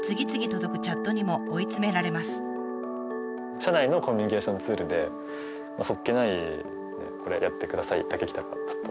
社内のコミュニケーションツールでそっけない「これやってください」だけ来たのがちょっと。